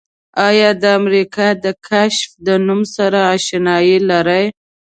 آیا د امریکا د کشف د نوم سره آشنایي لرئ؟